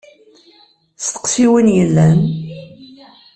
Steqsi win yellan!